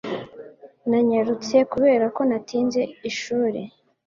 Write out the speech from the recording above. Nanyarutse kubera ko natinze ishuri